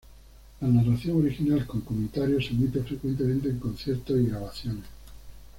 La narración original con comentarios se omite frecuentemente en conciertos y grabaciones.